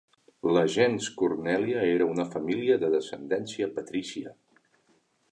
La "gens Cornelia" era una família de descendència patrícia.